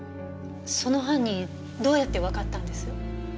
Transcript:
その犯人どうやってわかったんです？